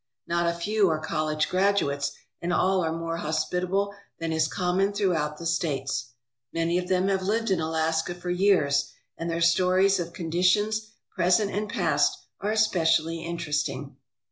Not a few are college graduates, and all are more hospitable than is common throughout the States. Many of them have lived in Alaska for years and their stories of conditions, present and past, are especially interesting.